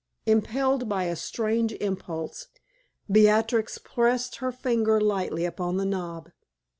Impelled by a strange impulse, Beatrix pressed her finger lightly upon the knob.